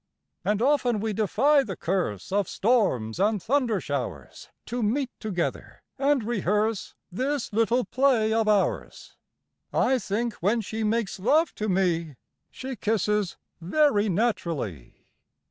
And often we defy the curse Of storms and thunder showers, To meet together and rehearse This little play of ours I think, when she "Makes love" to me, She kisses very naturally!